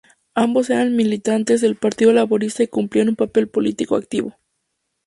Ambos eran militantes del Partido Laborista y cumplían un papel político activo.